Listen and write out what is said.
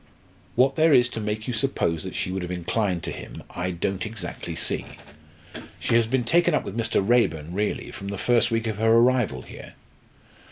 "What there is to make you suppose that she would have inclined to him, I don't exactly see. She has been taken up with Mr. Raeburn, really, from the first week of her arrival here."